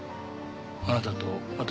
あなたと私？